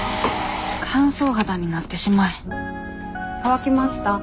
乾燥肌になってしまえ乾きました？